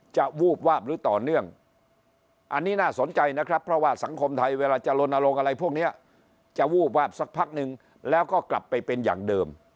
วูบวาบหรือต่อเนื่องอันนี้น่าสนใจนะครับเพราะว่าสังคมไทยเวลาจะลนลงอะไรพวกนี้จะวูบวาบสักพักนึงแล้วก็กลับไปเป็นอย่างเดิม